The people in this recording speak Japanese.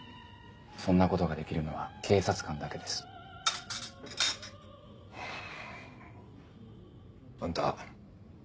そんなことができるのは警察官だけですあんた